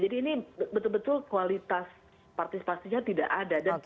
jadi ini betul betul kualitas partisipasinya tidak ada